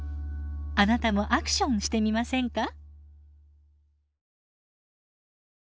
あなたもアクションしてみませんか？